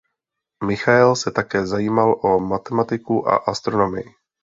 Michael se také zajímal o matematiku a astronomii.